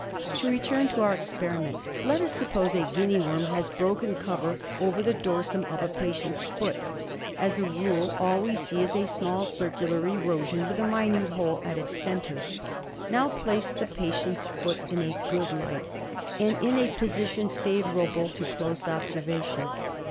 To return to our experiment. Let us suppose a Guinea worm has broken cover about the dorsum of a patient's foot. As a rule, all we see is a small circular erosion with a minute hole at its centre. Now place the patient's foot in a good light, and in a position favourable to close observation.